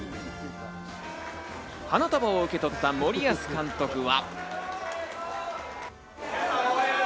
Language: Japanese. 花束を受け取った森保監督は。